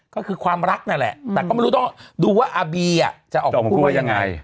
ก็คือความรักนั่นแหละแต่ก็ไม่รู้ต้องดูว่าอาบีจะออกมาพูดว่ายังไง